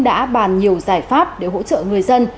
đã bàn nhiều giải pháp để hỗ trợ người dân